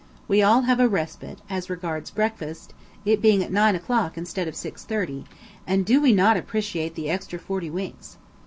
We all have a respite, as regards breakfast, it being at 9 o'clock instead of 6.30; and do we not appreciate the extra forty winks!